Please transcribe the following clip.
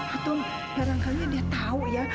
atau kadang kadang dia tahu ya